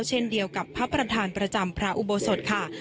เช่นเดียวกับพระประธานประจำพระอุโบสถค่ะ